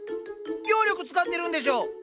妖力使ってるんでしょ？